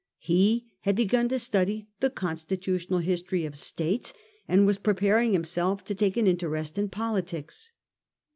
He had begun to study the constitutional history of States, and was preparing himself to take an interest in poli tics.